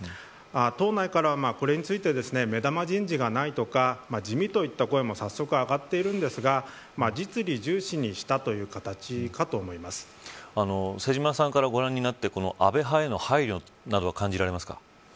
党内からはこれについて目玉人事がないとか地味といった声も早速、上がっているんですが実利重視にした瀬島さんからご覧になってこの、安倍派への配慮などは感じられますか。